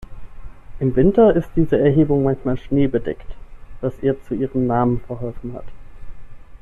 Im Winter ist diese Erhebung manchmal schneebedeckt, was ihr zu ihrem Namen verholfen hat.